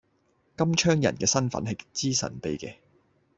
金槍人嘅身份係極之神秘嘅